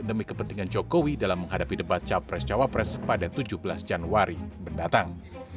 demi kepentingan jokowi dalam menghadapi debat capres cawapres pada tujuh belas januari mendatang